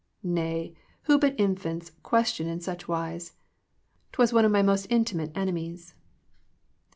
* *Nay, who but infants question in such wise? Twas one of my most intimate enemies.'